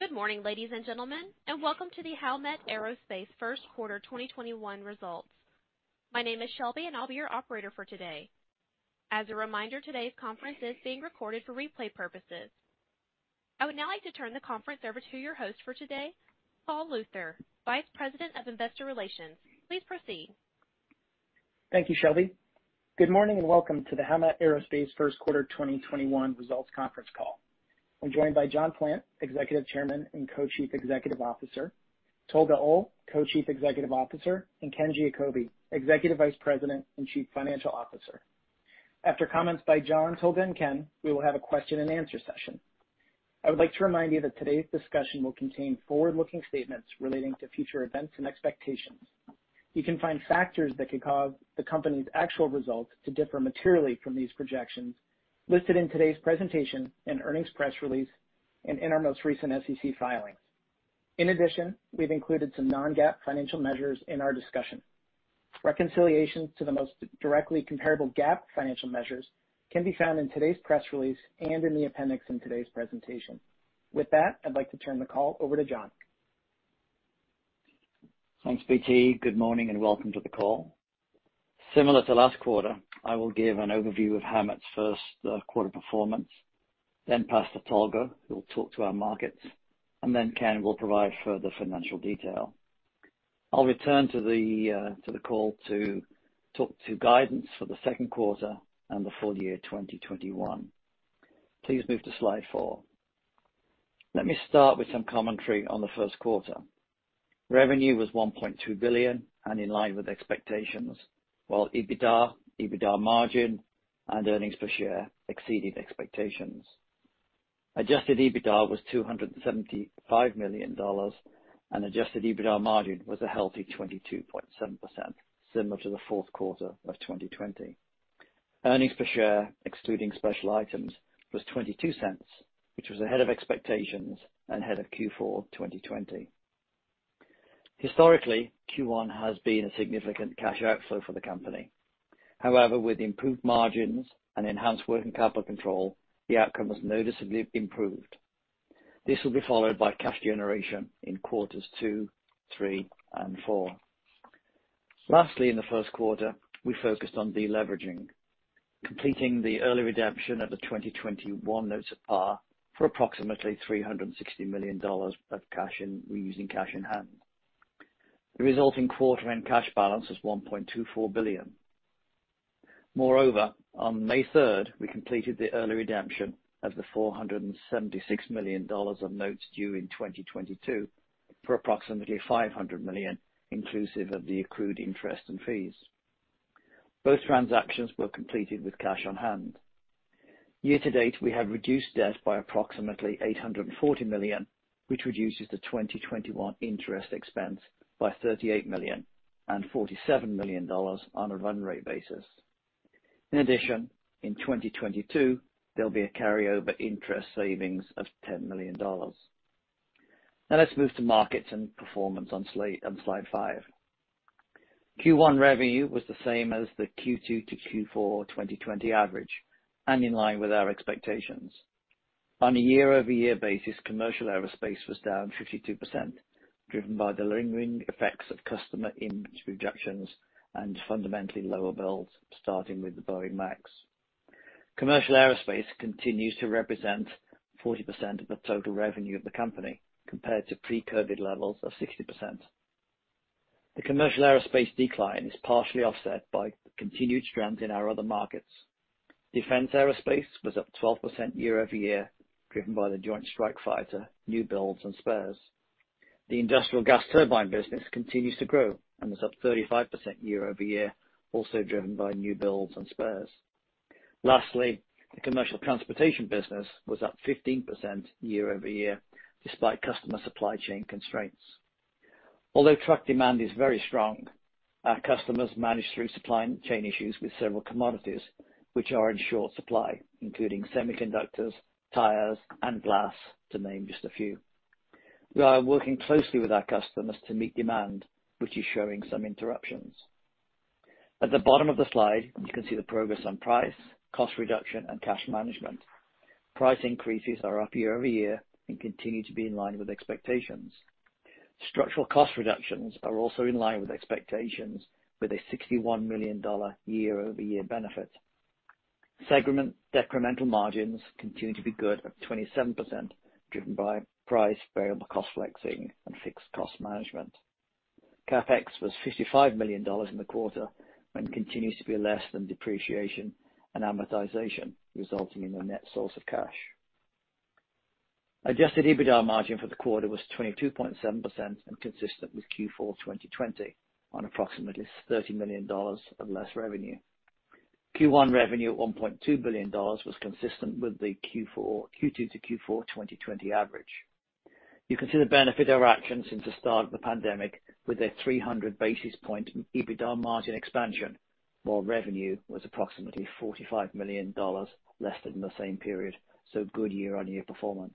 Good morning, ladies and gentlemen, and welcome to the Howmet Aerospace first quarter 2021 results. My name is Shelby and I'll be your operator for today. As a reminder, today's conference is being recorded for replay purposes. I would now like to turn the conference over to your host for today, Paul Luther, Vice President of Investor Relations. Please proceed. Thank you, Shelby. Good morning and welcome to the Howmet Aerospace first quarter 2021 results conference call. I'm joined by John Plant, Executive Chairman and Co-Chief Executive Officer, Tolga Oal, Co-Chief Executive Officer, and Ken Giacobbe, Executive Vice President and Chief Financial Officer. After comments by John, Tolga, and Ken, we will have a question and answer session. I would like to remind you that today's discussion will contain forward-looking statements relating to future events and expectations. You can find factors that could cause the company's actual results to differ materially from these projections listed in today's presentation and earnings press release and in our most recent SEC filings. In addition, we've included some non-GAAP financial measures in our discussion. Reconciliation to the most directly comparable GAAP financial measures can be found in today's press release and in the appendix in today's presentation. With that, I'd like to turn the call over to John. Thanks, BT. Good morning and welcome to the call. Similar to last quarter, I will give an overview of Howmet's first quarter performance, then pass to Tolga, who will talk to our markets, and then Ken will provide further financial detail. I'll return to the call to talk to guidance for the second quarter and the full year 2021. Please move to slide four. Let me start with some commentary on the first quarter. Revenue was $1.2 billion and in line with expectations, while EBITDA margin, and earnings per share exceeded expectations. Adjusted EBITDA was $275 million and adjusted EBITDA margin was a healthy 22.7%, similar to the fourth quarter of 2020. Earnings per share, excluding special items, was $0.22, which was ahead of expectations and ahead of Q4 2020. Historically, Q1 has been a significant cash outflow for the company. However, with improved margins and enhanced working capital control, the outcome was noticeably improved. This will be followed by cash generation in quarters two, three, and four. Lastly, in the first quarter, we focused on de-leveraging, completing the early redemption of the 2021 notes at par for approximately $360 million of cash and reusing cash in hand. The resulting quarter and cash balance was $1.24 billion. On May 3rd, we completed the early redemption of the $476 million of notes due in 2022 for approximately $500 million, inclusive of the accrued interest and fees. Both transactions were completed with cash on-hand. Year to date, we have reduced debt by approximately $840 million, which reduces the 2021 interest expense by $38 million and $47 million on a run rate basis. In 2022, there'll be a carryover interest savings of $10 million. Let's move to markets and performance on slide five. Q1 revenue was the same as the Q2 to Q4 2020 average and in line with our expectations. On a year-over-year basis, commercial aerospace was down 52%, driven by the lingering effects of customer image rejections and fundamentally lower builds, starting with the Boeing Max. Commercial aerospace continues to represent 40% of the total revenue of the company compared to pre-COVID levels of 60%. The commercial aerospace decline is partially offset by continued strength in our other markets. Defense aerospace was up 12% year-over-year, driven by the Joint Strike Fighter, new builds, and spares. The industrial gas turbine business continues to grow and was up 35% year-over-year, also driven by new builds and spares. The commercial transportation business was up 15% year-over-year, despite customer supply chain constraints. Although truck demand is very strong, our customers managed through supply chain issues with several commodities which are in short supply, including semiconductors, tires, and glass, to name just a few. We are working closely with our customers to meet demand, which is showing some interruptions. At the bottom of the slide, you can see the progress on price, cost reduction, and cash management. Price increases are up year-over-year and continue to be in line with expectations. Structural cost reductions are also in line with expectations, with a $61 million year-over-year benefit. Segment decremental margins continue to be good at 27%, driven by price, variable cost flexing, and fixed cost management. CapEx was $55 million in the quarter and continues to be less than depreciation and amortization, resulting in a net source of cash. Adjusted EBITDA margin for the quarter was 22.7% and consistent with Q4 2020 on approximately $30 million of less revenue. Q1 revenue at $1.2 billion was consistent with the Q2 to Q4 2020 average. You can see the benefit of our actions since the start of the pandemic with a 300-basis point EBITDA margin expansion, while revenue was approximately $45 million less than the same period, so good year-on-year performance.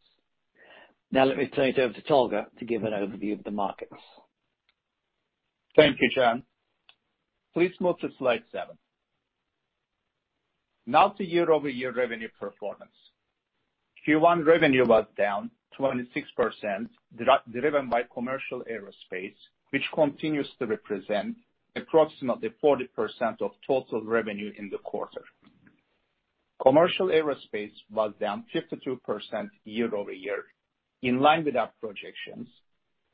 Let me turn it over to Tolga to give an overview of the markets. Thank you, John. Please move to slide seven. Now to year-over-year revenue performance. Q1 revenue was down 26%, driven by commercial aerospace, which continues to represent approximately 40% of total revenue in the quarter. Commercial aerospace was down 52% year-over-year, in line with our projections,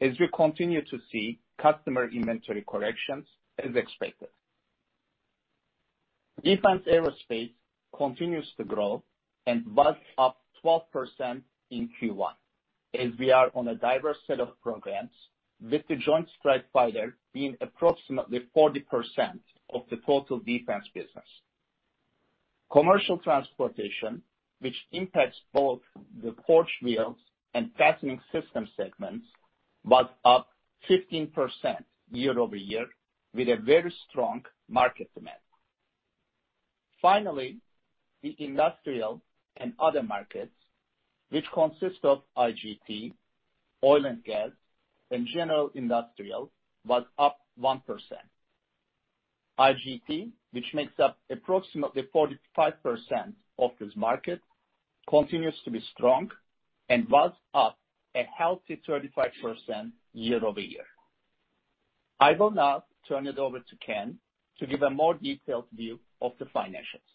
as we continue to see customer inventory corrections as expected. Defense aerospace continues to grow and was up 12% in Q1, as we are on a diverse set of programs, with the Joint Strike Fighter being approximately 40% of the total defense business. Commercial transportation, which impacts both the Forged Wheels and Fastening Systems segments, was up 15% year-over-year with a very strong market demand. Finally, the industrial and other markets, which consist of IGT, oil and gas, and general industrial, was up 1%. IGT, which makes up approximately 45% of this market, continues to be strong and was up a healthy 35% year-over-year. I will now turn it over to Ken to give a more detailed view of the financials.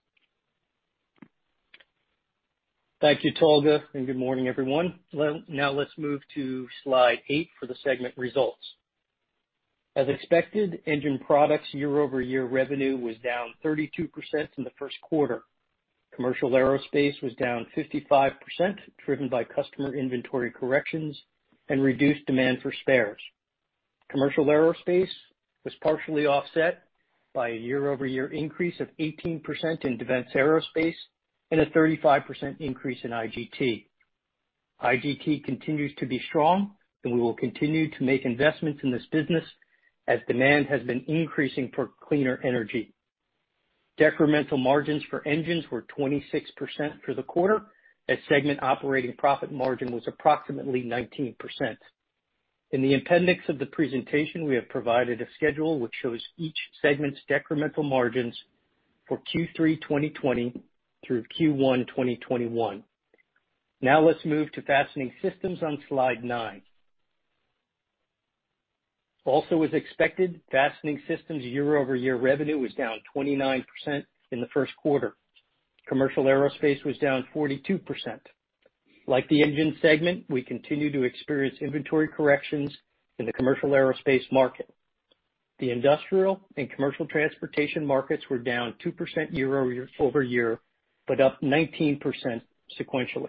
Thank you, Tolga, and good morning, everyone. Now let's move to slide eight for the segment results. As expected, Engine Products year-over-year revenue was down 32% in the first quarter. Commercial aerospace was down 55%, driven by customer inventory corrections and reduced demand for spares. Commercial aerospace was partially offset by a year-over-year increase of 18% in defense aerospace and a 35% increase in IGT. IGT continues to be strong, we will continue to make investments in this business as demand has been increasing for cleaner energy. Decremental margins for engines were 26% for the quarter, as segment operating profit margin was approximately 19%. In the appendix of the presentation, we have provided a schedule which shows each segment's decremental margins for Q3 2020 through Q1 2021. Now let's move to Fastening Systems on slide nine. Also as expected, Fastening Systems year-over-year revenue was down 29% in the first quarter. Commercial aerospace was down 42%. Like the engine segment, we continue to experience inventory corrections in the commercial aerospace market. The industrial and commercial transportation markets were down 2% year-over-year, but up 19% sequentially.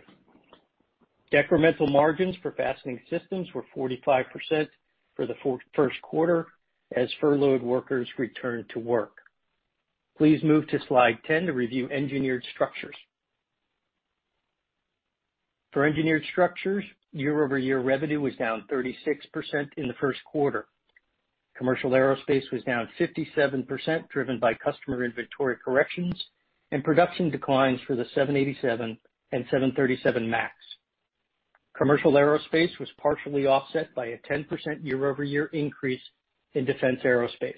Decremental margins for Fastening Systems were 45% for the first quarter as furloughed workers returned to work. Please move to slide 10 to review Engineered Structures. For Engineered Structures, year-over-year revenue was down 36% in the first quarter. Commercial aerospace was down 57%, driven by customer inventory corrections and production declines for the 787 and 737 MAX. Commercial aerospace was partially offset by a 10% year-over-year increase in defense aerospace.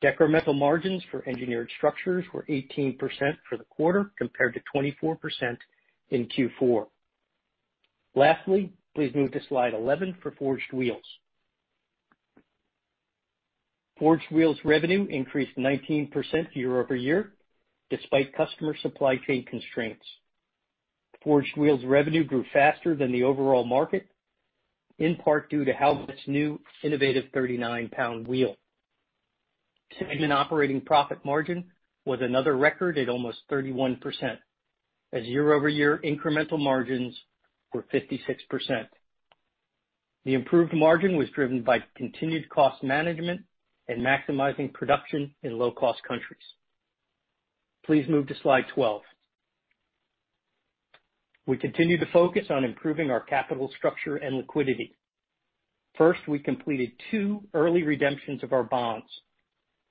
Decremental margins for Engineered Structures were 18% for the quarter, compared to 24% in Q4. Lastly, please move to slide 11 for Forged Wheels. Forged Wheels revenue increased 19% year-over-year despite customer supply chain constraints. Forged Wheels revenue grew faster than the overall market, in part due to Howmet's new innovative 39-pound wheel. Segment operating profit margin was another record at almost 31%, as year-over-year incremental margins were 56%. The improved margin was driven by continued cost management and maximizing production in low-cost countries. Please move to slide 12. We continue to focus on improving our capital structure and liquidity. First, we completed two early redemptions of our bonds.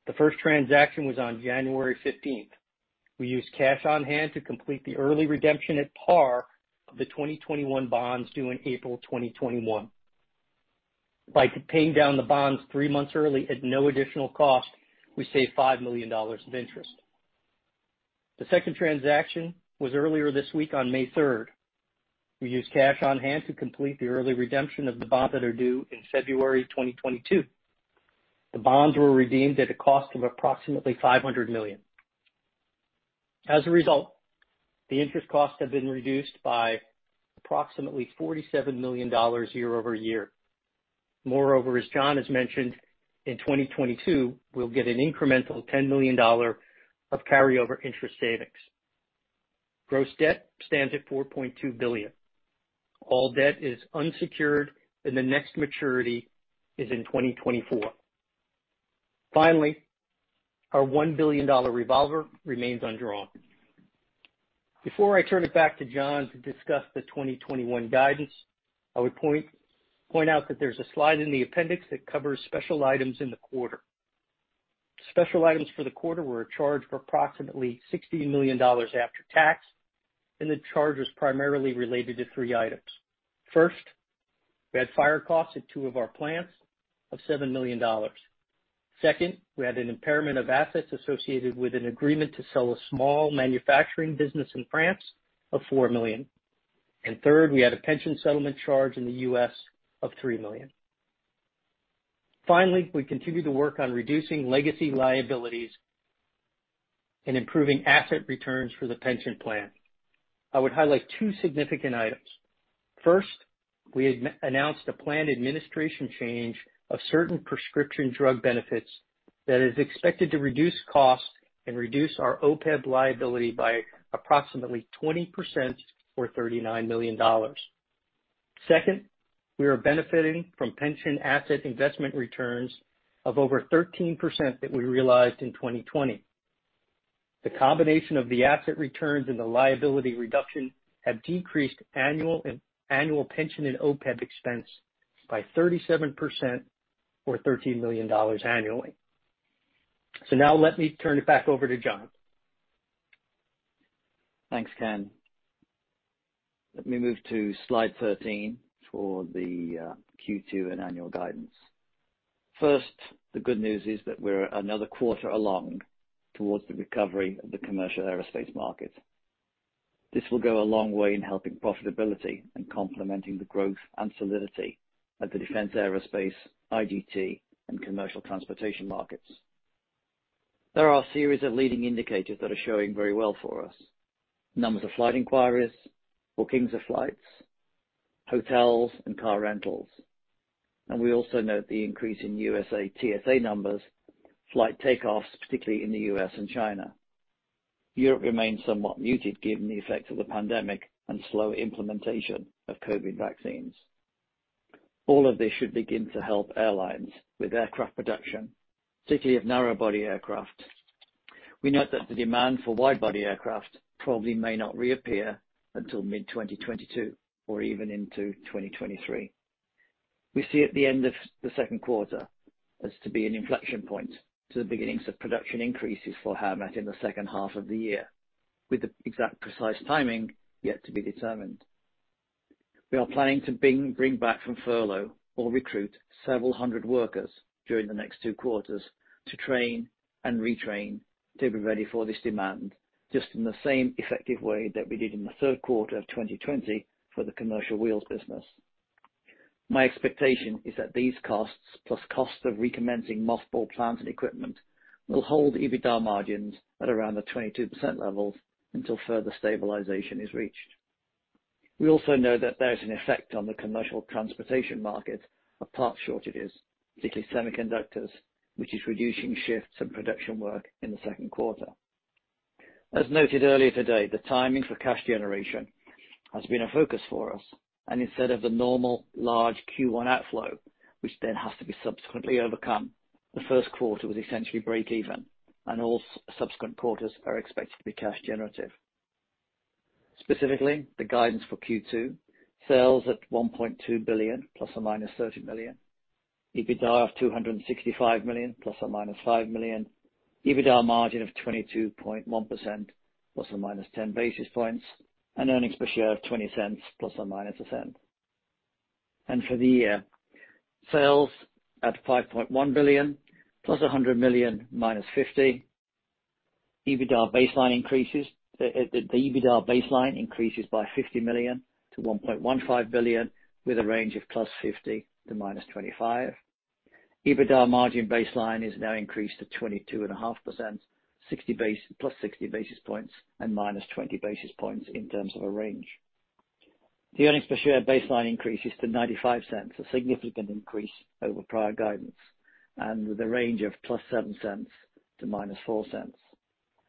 The first transaction was on January 15th. We used cash on-hand to complete the early redemption at par of the 2021 bonds due in April 2021. By paying down the bonds three months early at no additional cost, we saved $5 million of interest. The second transaction was earlier this week on May 3rd. We used cash on-hand to complete the early redemption of the bonds that are due in February 2022. The bonds were redeemed at a cost of approximately $500 million. As a result, the interest costs have been reduced by approximately $47 million year-over-year. Moreover, as John has mentioned, in 2022, we'll get an incremental $10 million of carryover interest savings. Gross debt stands at $4.2 billion. All debt is unsecured. The next maturity is in 2024. Finally, our $1 billion revolver remains undrawn. Before I turn it back to John to discuss the 2021 guidance, I would point out that there's a slide in the appendix that covers special items in the quarter. Special items for the quarter were a charge for approximately $60 million after tax. The charge was primarily related to three items. First, we had fire costs at two of our plants of $7 million. Second, we had an impairment of assets associated with an agreement to sell a small manufacturing business in France of $4 million. Third, we had a pension settlement charge in the U.S. of $3 million. Finally, we continue to work on reducing legacy liabilities and improving asset returns for the pension plan. I would highlight two significant items. First, we announced a planned administration change of certain prescription drug benefits that is expected to reduce costs and reduce our OPEB liability by approximately 20% or $39 million. Second, we are benefiting from pension asset investment returns of over 13% that we realized in 2020. The combination of the asset returns and the liability reduction have decreased annual pension and OPEB expense by 37% or $13 million annually. Now let me turn it back over to John. Thanks, Ken. Let me move to slide 13 for the Q2 and annual guidance. First, the good news is that we're another quarter along towards the recovery of the commercial aerospace market. This will go a long way in helping profitability and complementing the growth and solidity of the defense aerospace, IGT, and commercial transportation markets. There are a series of leading indicators that are showing very well for us. Numbers of flight inquiries, bookings of flights, hotels, and car rentals. We also note the increase in U.S.A. TSA numbers, flight takeoffs, particularly in the U.S. and China. Europe remains somewhat muted given the effect of the pandemic and slow implementation of COVID vaccines. All of this should begin to help airlines with aircraft production, particularly of narrow body aircraft. We note that the demand for wide body aircraft probably may not reappear until mid-2022 or even into 2023. We see at the end of the second quarter as to be an inflection point to the beginnings of production increases for Howmet in the second half of the year, with the exact precise timing yet to be determined. We are planning to bring back from furlough or recruit several hundred workers during the next two quarters to train and retrain to be ready for this demand, just in the same effective way that we did in the third quarter of 2020 for the commercial wheels business. My expectation is that these costs, plus costs of recommencing mothball plants and equipment, will hold EBITDA margins at around the 22% levels until further stabilization is reached. We know that there is an effect on the commercial transportation market of parts shortages, particularly semiconductors, which is reducing shifts and production work in the second quarter. As noted earlier today, the timing for cash generation has been a focus for us, and instead of the normal large Q1 outflow, which then has to be subsequently overcome, the first quarter was essentially break even, and all subsequent quarters are expected to be cash generative. Specifically, the guidance for Q2 sales at $1.2 billion ±$30 million. EBITDA of $265 million ±$5 million. EBITDA margin of 22.1% ±10 basis points, and earnings per share of $0.20 ±$0.01. For the year, sales at $5.1 billion plus $100 million, minus $50 million. The EBITDA baseline increases by $50 million to $1.15 billion, with a range of +$50 million to -$25 million. EBITDA margin baseline is now increased to 22.5%, +60 basis points and -20 basis points in terms of a range. The earnings per share baseline increases to $0.95, a significant increase over prior guidance, and with a range of +$0.07 to -$0.04.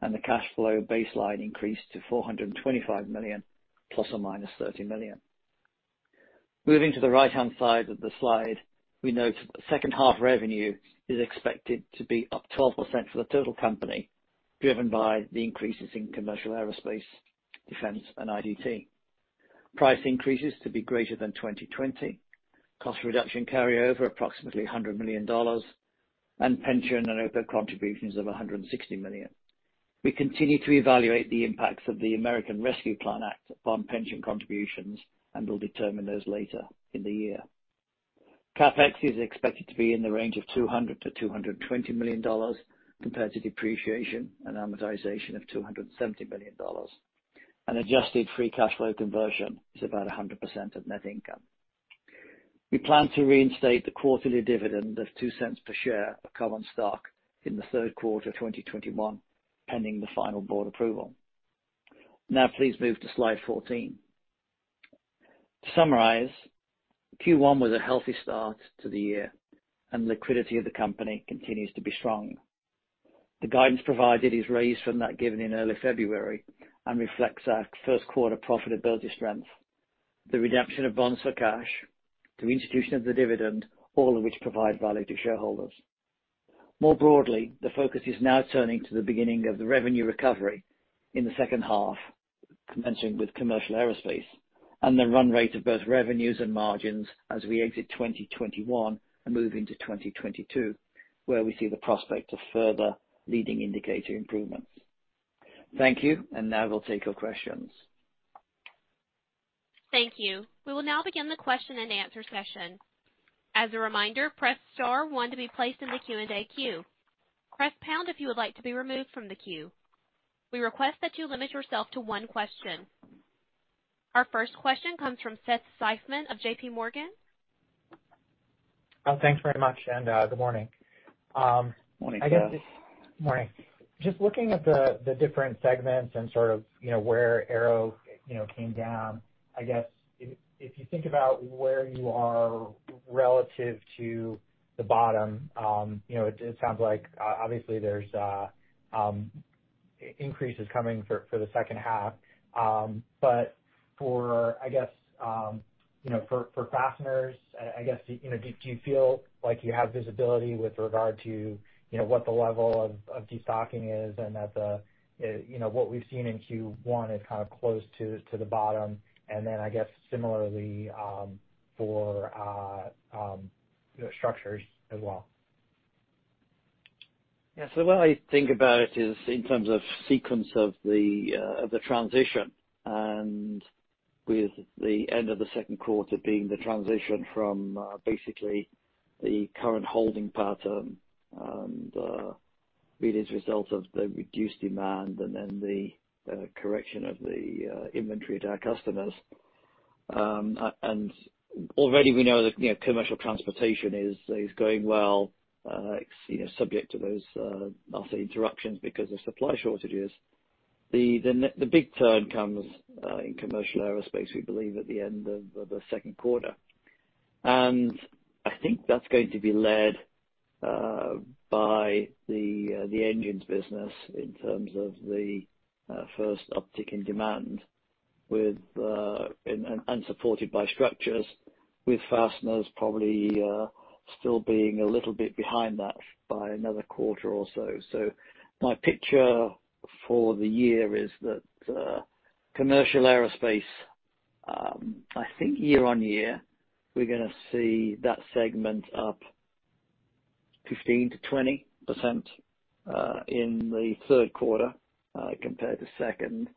The cash flow baseline increased to $425 million plus or minus $30 million. Moving to the right-hand side of the slide, we note that the second half revenue is expected to be up 12% for the total company, driven by the increases in commercial aerospace, defense, and IGT. Price increases to be greater than 2020. Cost reduction carryover, approximately $100 million, and pension and OPEB contributions of $160 million. We continue to evaluate the impacts of the American Rescue Plan Act upon pension contributions and will determine those later in the year. CapEx is expected to be in the range of $200 million-$220 million, compared to depreciation and amortization of $270 million. An adjusted free cash flow conversion is about 100% of net income. We plan to reinstate the quarterly dividend of $0.02 per share of common stock in the third quarter of 2021, pending the final board approval. Please move to slide 14. To summarize, Q1 was a healthy start to the year, and liquidity of the company continues to be strong. The guidance provided is raised from that given in early February and reflects our first quarter profitability strength, the redemption of bonds for cash, the institution of the dividend, all of which provide value to shareholders. More broadly, the focus is now turning to the beginning of the revenue recovery in the second half. Commencing with commercial aerospace and the run rate of both revenues and margins as we exit 2021 and move into 2022, where we see the prospect of further leading indicator improvements. Thank you. Now we'll take your questions. Thank you. We will now begin the question and answer session. As a reminder, press star 1 to be placed in the Q&A queue. Press pound if you would like to be removed from the queue. We request that you limit yourself to one question. Our first question comes from Seth Seifman of JPMorgan. Thanks very much, and good morning. Morning, Seth. Morning. Just looking at the different segments and where Aero came down, I guess if you think about where you are relative to the bottom, it sounds like obviously there's increases coming for the second half. For fasteners, do you feel like you have visibility with regard to what the level of de-stocking is and that what we've seen in Q1 is kind of close to the bottom, I guess similarly for structures as well? The way I think about it is in terms of sequence of the transition, with the end of the second quarter being the transition from basically the current holding pattern and really as a result of the reduced demand and then the correction of the inventory at our customers. Already we know that commercial transportation is going well, subject to those interruptions because of supply shortages. The big turn comes in commercial aerospace, we believe at the end of the second quarter. I think that's going to be led by the engines business in terms of the first uptick in demand and supported by structures, with fasteners probably still being a little bit behind that by another quarter or so. My picture for the year is that commercial aerospace, I think year-on-year, we're going to see that segment up 15%-20% in the third quarter compared to second.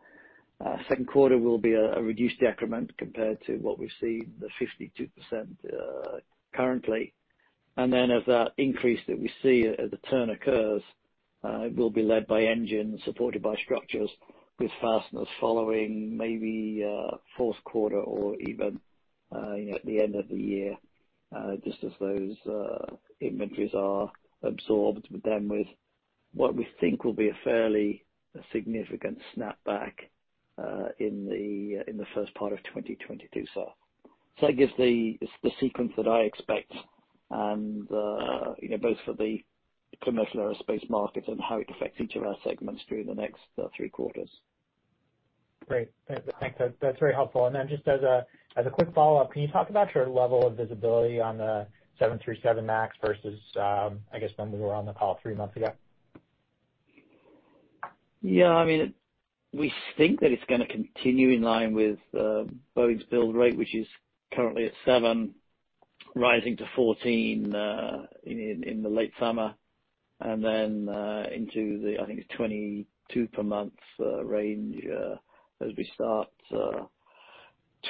Second quarter will be a reduced decrement compared to what we've seen, the 52% currently. As that increase that we see, the turn occurs, it will be led by Engine, supported by Structures with Fasteners following maybe fourth quarter or even at the end of the year, just as those inventories are absorbed. With what we think will be a fairly significant snapback in the first part of 2022. That gives the sequence that I expect both for the commercial aerospace market and how it affects each of our segments through the next three quarters. Great. Thanks. That's very helpful. Just as a quick follow-up, can you talk about your level of visibility on the 737 MAX versus when we were on the call three months ago? We think that it's going to continue in line with Boeing's build rate, which is currently at seven, rising to 14 in the late summer. Then into the, I think, 22 per month range as we start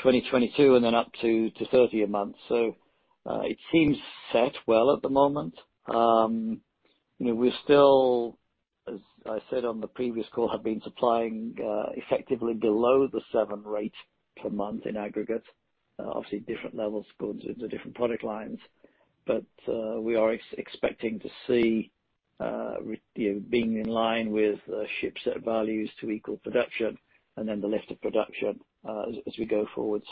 2022, then up to 30 a month. It seems set well at the moment. We still, as I said on the previous call, have been supplying effectively below the seven rate per month in aggregate. Obviously different levels according to the different product lines. We are expecting to see being in line with ship set values to equal production and then the lift of production as we go forward.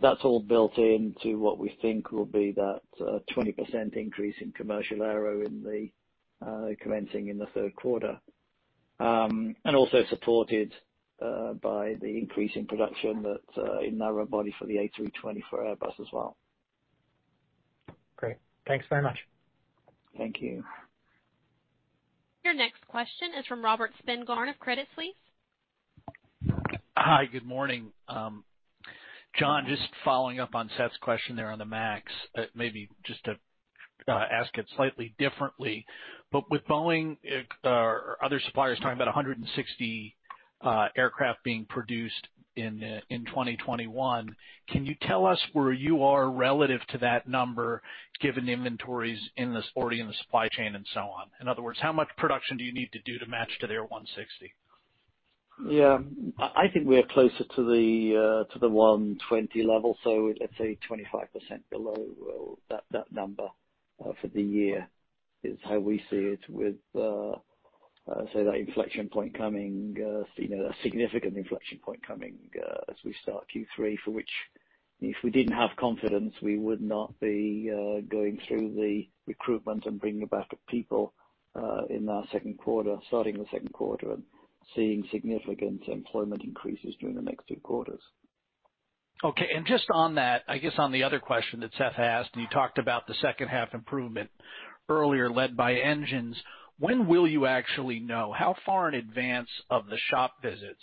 That's all built into what we think will be that 20% increase in commercial aero commencing in the third quarter. Also supported by the increase in production in narrow body for the Airbus A320 as well. Great. Thanks very much. Thank you. Your next question is from Robert Spingarn of Credit Suisse. Hi, good morning. John, just following up on Seth's question there on the MAX, maybe just to ask it slightly differently. With Boeing or other suppliers talking about 160 aircraft being produced in 2021, can you tell us where you are relative to that number, given inventories already in the supply chain and so on? In other words, how much production do you need to do to match to their 160? Yeah. I think we are closer to the 120 level, let's say 25% below that number for the year is how we see it with that inflection point coming, a significant inflection point coming as we start Q3, for which if we didn't have confidence, we would not be going through the recruitment and bringing back the people in our second quarter, starting the second quarter and seeing significant employment increases during the next two quarters. Okay. Just on that, I guess on the other question that Seth asked, and you talked about the second half improvement earlier, led by engines. When will you actually know? How far in advance of the shop visits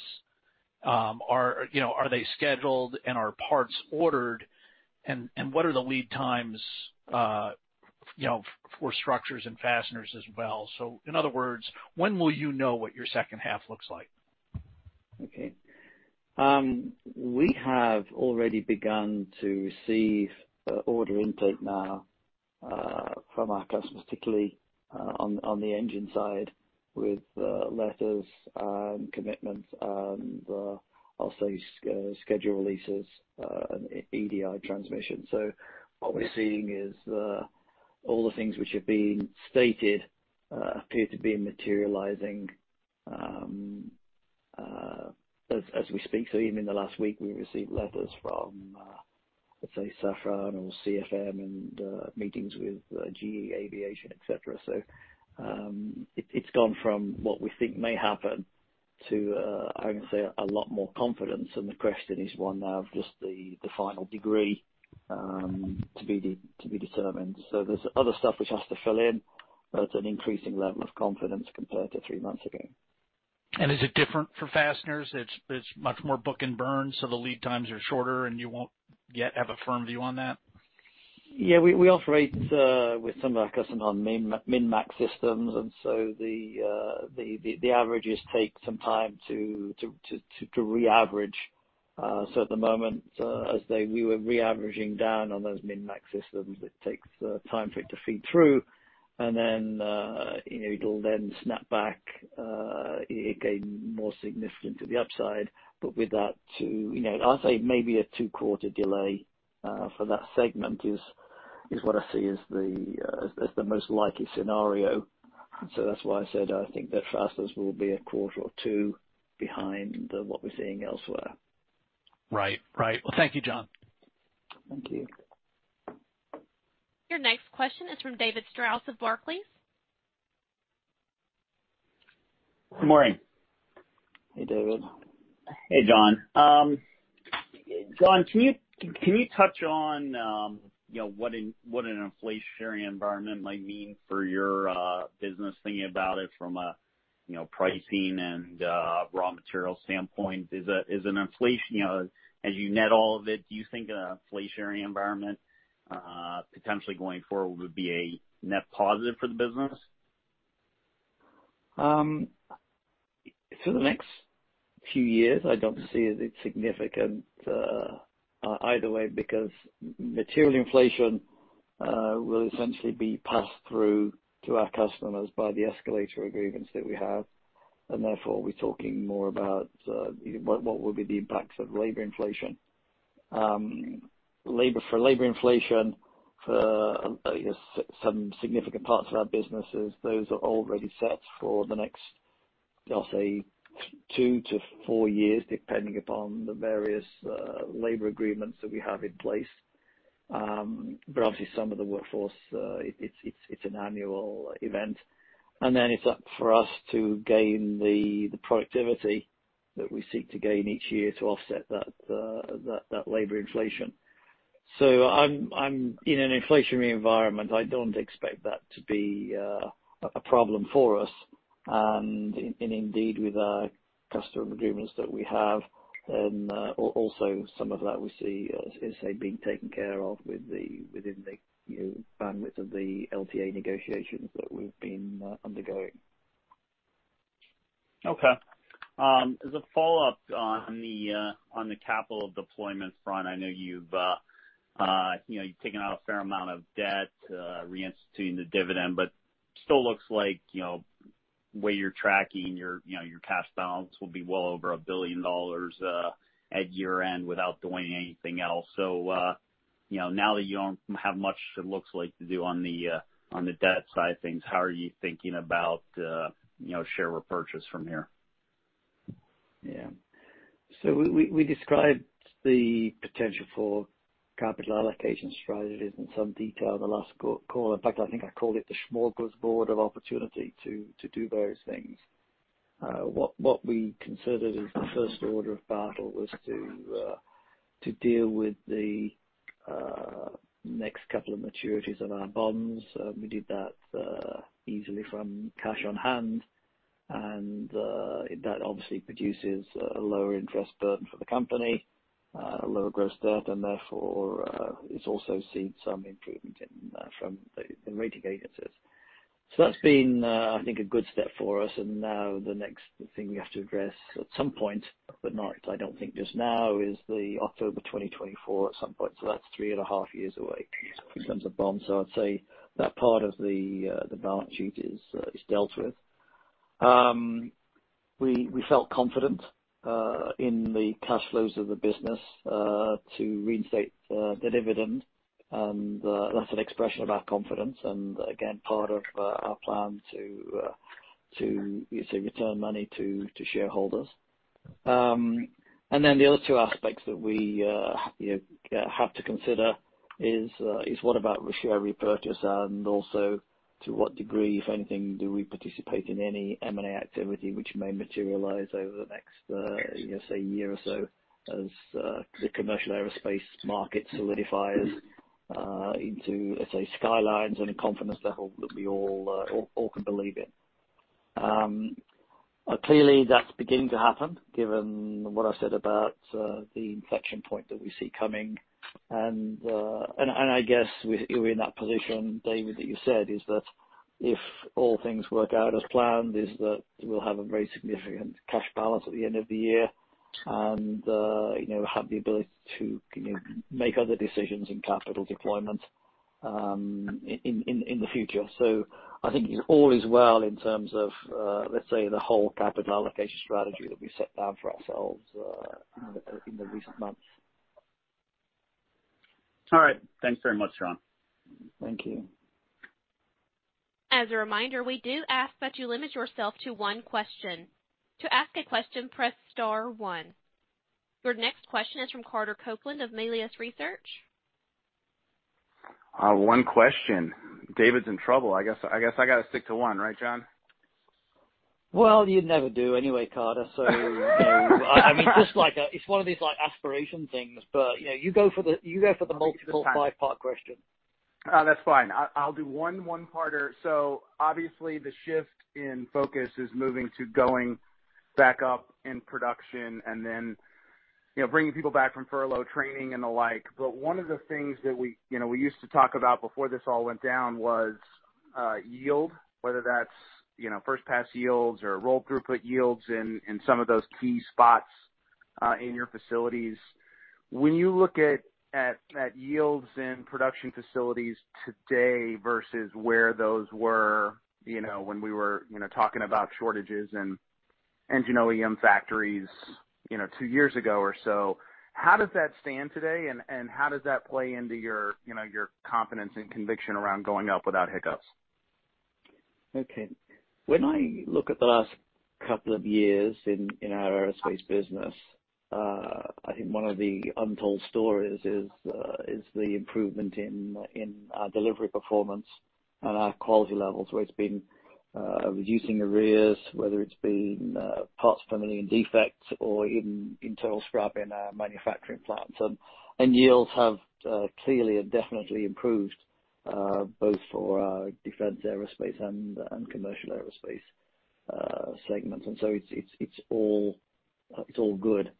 are they scheduled, and are parts ordered, and what are the lead times for structures and fasteners as well? In other words, when will you know what your second half looks like? Okay. We have already begun to receive order intake now from our customers, particularly on the engine side, with letters and commitments and I'll say schedule releases and EDI transmission. What we're seeing is all the things which have been stated appear to be materializing as we speak. Even in the last week, we received letters from, let's say, Safran or CFM and meetings with GE Aviation, et cetera. It's gone from what we think may happen to, I would say, a lot more confidence. The question is one now of just the final degree to be determined. There's other stuff which has to fill in, but an increasing level of confidence compared to three months ago. Is it different for fasteners? It's much more book and burn, so the lead times are shorter and you won't yet have a firm view on that? Yeah. We operate with some of our customers on min-max systems. The averages take some time to re-average. At the moment, as we were re-averaging down on those min-max systems, it takes time for it to feed through and it'll then snap back. It gained more significance to the upside. With that, I'd say maybe a two-quarter delay for that segment is what I see as the most likely scenario. That's why I said I think that fasteners will be a quarter or two behind what we're seeing elsewhere. Right. Well, thank you, John. Thank you. Your next question is from David Strauss of Barclays. Good morning. Hey, David. Hey, John. John, can you touch on what an inflationary environment might mean for your business, thinking about it from a pricing and raw material standpoint? As you net all of it, do you think an inflationary environment potentially going forward would be a net positive for the business? For the next few years, I don't see it as significant either way, because material inflation will essentially be passed through to our customers by the escalator agreements that we have. Therefore, we're talking more about what will be the impacts of labor inflation. For labor inflation for some significant parts of our businesses, those are already set for the next, I'll say, two to four years, depending upon the various labor agreements that we have in place. Obviously some of the workforce, it's an annual event, and then it's up for us to gain the productivity that we seek to gain each year to offset that labor inflation. In an inflationary environment, I don't expect that to be a problem for us. Indeed, with our customer agreements that we have, then also some of that we see as being taken care of within the bandwidth of the LTA negotiations that we've been undergoing. Okay. As a follow-up on the capital deployment front, I know you've taken out a fair amount of debt, reinstituting the dividend, but still looks like the way you're tracking, your cash balance will be well over $1 billion at year-end without doing anything else. Now that you don't have much, it looks like, to do on the debt side of things, how are you thinking about share repurchase from here? We described the potential for capital allocation strategies in some detail in the last call. In fact, I think I called it the smorgasbord of opportunity to do various things. What we considered as the first order of battle was to deal with the next couple of maturities of our bonds. We did that easily from cash on hand, that obviously produces a lower interest burden for the company, a lower gross debt, therefore it's also seen some improvement from the rating agencies. That's been, I think, a good step for us. Now the next thing we have to address at some point, but not I don't think just now, is the October 2024 at some point. That's three and a half years away in terms of bonds. I'd say that part of the balance sheet is dealt with. We felt confident in the cash flows of the business to reinstate the dividend, that's an expression of our confidence and again, part of our plan to return money to shareholders. The other two aspects that we have to consider is what about share repurchase and also, to what degree, if anything, do we participate in any M&A activity which may materialize over the next, let's say, year or so as the commercial aerospace market solidifies into, let's say, skylines and a confidence level that we all can believe in? Clearly, that's beginning to happen given what I said about the inflection point that we see coming. I guess you're in that position, David, that you said, is that if all things work out as planned, is that we'll have a very significant cash balance at the end of the year and have the ability to make other decisions in capital deployment in the future. I think all is well in terms of, let's say, the whole capital allocation strategy that we set down for ourselves in the recent months. All right. Thanks very much, John. Thank you. As a reminder, we do ask that you limit yourself to one question. To ask a question, press star one. Your next question is from Carter Copeland of Melius Research. One question. David's in trouble. I guess I got to stick to one, right, John? Well, you'd never do anyway, Carter. It's one of these aspiration things, but you go for the multiple five-part question. That's fine. I'll do one one-parter. Obviously the shift in focus is moving to going back up in production and then bringing people back from furlough training and the like. One of the things that we used to talk about before this all went down was yield, whether that's first pass yields or roll throughput yields in some of those key spots in your facilities. When you look at yields in production facilities today versus where those were when we were talking about shortages and engine OEM factories two years ago or so, how does that stand today, and how does that play into your confidence and conviction around going up without hiccups? Okay. When I look at the last couple of years in our aerospace business, I think one of the untold stories is the improvement in our delivery performance and our quality levels, whether it's been reducing arrears, whether it's been parts per million defects or even internal scrap in our manufacturing plants. Yields have clearly and definitely improved, both for our defense aerospace and commercial aerospace segments. It's all good.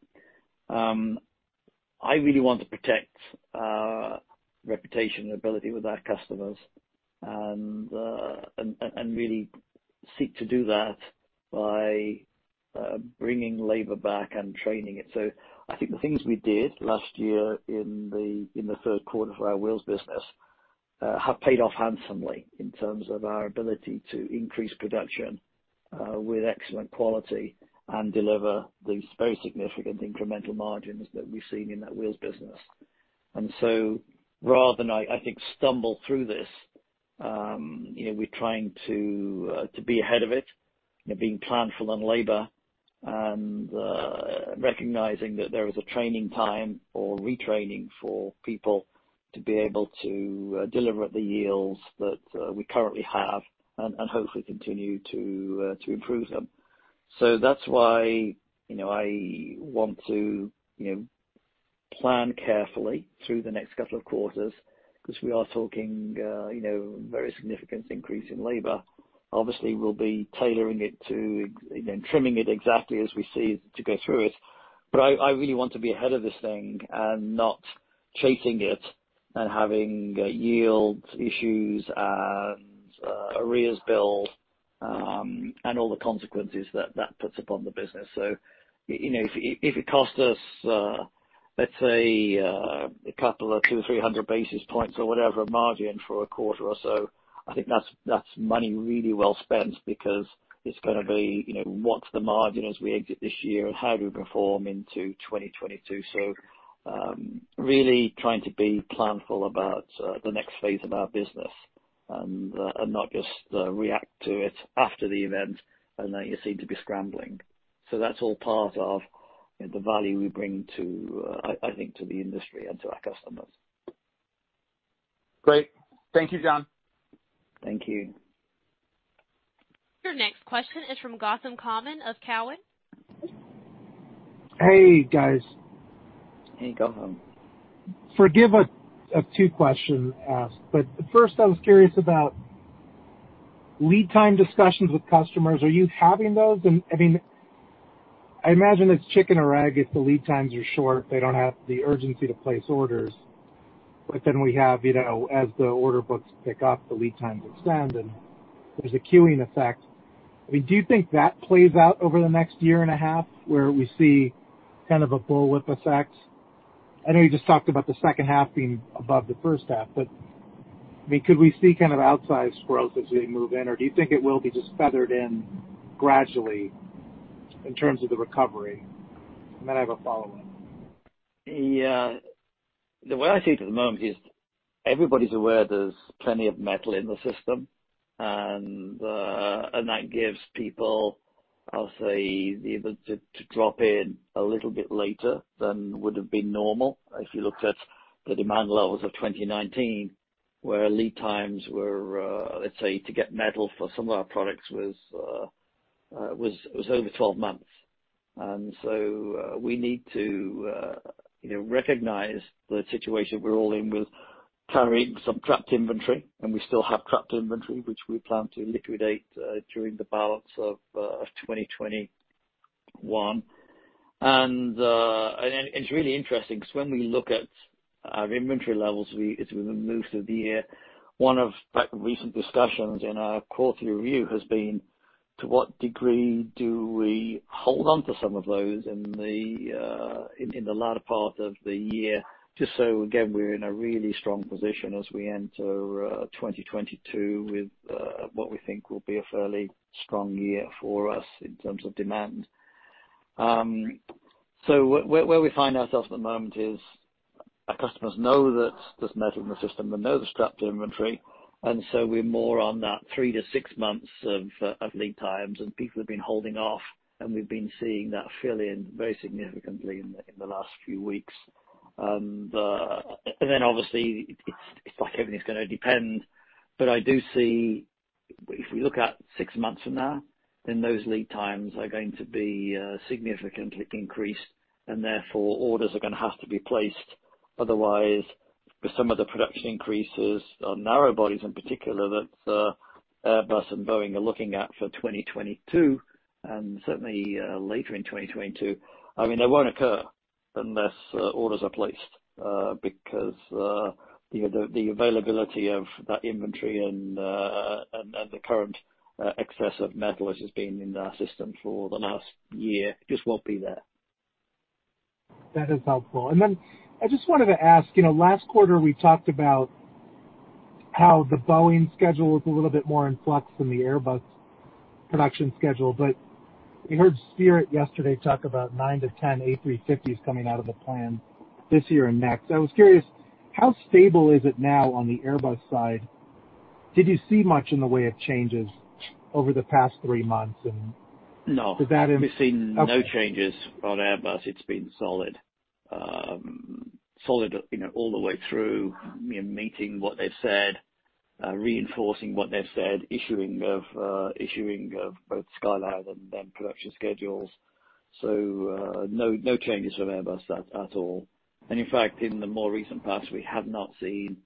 I really want to protect our reputation and ability with our customers and really seek to do that by bringing labor back and training it. I think the things we did last year in the third quarter for our Wheels business have paid off handsomely in terms of our ability to increase production with excellent quality and deliver these very significant incremental margins that we've seen in that Wheels business. Rather than, I think, stumble through this, we're trying to be ahead of it, being planful on labor and recognizing that there is a training time or retraining for people to be able to deliver at the yields that we currently have and hopefully continue to improve them. That's why I want to plan carefully through the next couple of quarters because we are talking a very significant increase in labor. Obviously, we'll be tailoring it to and then trimming it exactly as we see to go through it. I really want to be ahead of this thing and not chasing it and having yields issues and arrears bill, and all the consequences that that puts upon the business. If it costs us, let's say, a couple of 200 or 300 basis points or whatever margin for a quarter or so, I think that's money really well spent because it's going to be what's the margin as we exit this year and how do we perform into 2022. Really trying to be planful about the next phase of our business and not just react to it after the event and then you seem to be scrambling. That's all part of the value we bring, I think, to the industry and to our customers. Great. Thank you, John. Thank you. Your next question is from Gautam Khanna of Cowen. Hey, guys. Hey, Gautam. Forgive a two-question ask, first I was curious about lead time discussions with customers. Are you having those? I imagine it's chicken or egg. If the lead times are short, they don't have the urgency to place orders. Then we have, as the order books pick up, the lead times extend and there's a queuing effect. Do you think that plays out over the next year and a half where we see kind of a bullwhip effect? I know you just talked about the second half being above the first half, could we see kind of outsized growth as we move in, or do you think it will be just feathered in gradually in terms of the recovery? Then I have a follow-up. The way I see it at the moment is everybody's aware there's plenty of metal in the system, and that gives people, I'll say, the ability to drop in a little bit later than would've been normal. If you looked at the demand levels of 2019, where lead times were, let's say, to get metal for some of our products was over 12 months. We need to recognize the situation we're all in with carrying some trapped inventory, and we still have trapped inventory, which we plan to liquidate during the balance of 2021. It's really interesting because when we look at our inventory levels as we move through the year, one of recent discussions in our quarterly review has been to what degree do we hold onto some of those in the latter part of the year, just so, again, we're in a really strong position as we enter 2022 with what we think will be a fairly strong year for us in terms of demand. Where we find ourselves at the moment is our customers know that there's metal in the system and know there's trapped inventory, and so we're more on that three to six months of lead times, and people have been holding off, and we've been seeing that fill in very significantly in the last few weeks. Obviously, it's like everything's going to depend. I do see if we look at six months from now, those lead times are going to be significantly increased. Therefore, orders are going to have to be placed. Otherwise, with some of the production increases on narrow bodies in particular that Airbus and Boeing are looking at for 2022, and certainly later in 2022, they won't occur unless orders are placed. The availability of that inventory and the current excess of metal, which has been in the system for the last year, just won't be there. That is helpful. Then I just wanted to ask, last quarter, we talked about how the Boeing schedule was a little bit more in flux than the Airbus production schedule. We heard Spirit yesterday talk about 9-10 A350s coming out of the plan this year and next. I was curious, how stable is it now on the Airbus side? Did you see much in the way of changes over the past three months? No. Okay. We've seen no changes on Airbus. It's been solid all the way through. Meeting what they've said, reinforcing what they've said, issuing of both skyline and then production schedules. No changes from Airbus at all. In fact, in the more recent past, we have not seen